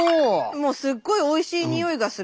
もうすっごいおいしいにおいがする。